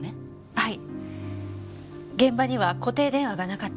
はい。